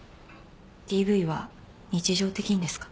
ＤＶは日常的にですか？